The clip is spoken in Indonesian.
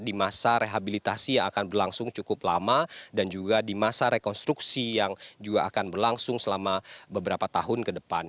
di masa rehabilitasi yang akan berlangsung cukup lama dan juga di masa rekonstruksi yang juga akan berlangsung selama beberapa tahun ke depan